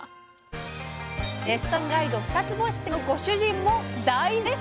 レストランガイドニつ星店のご主人も大絶賛！